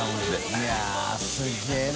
いやぁすげぇな。．